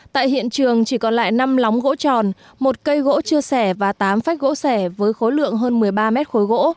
tại hiện trường chỉ còn lại năm lóng gỗ tròn một cây gỗ chia sẻ và tám phách gỗ sẻ với khối lượng hơn một mươi ba mét khối gỗ